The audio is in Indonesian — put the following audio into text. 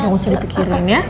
udah usun dipikirin ya